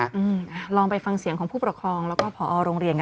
อืมลองไปฟังเสียงของผู้ปกครองแล้วก็ผอโรงเรียน